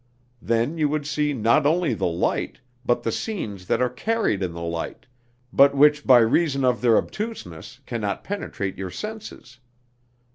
Then you would see not only the light, but the scenes that are carried in the light, but which by reason of their obtuseness can not penetrate your senses.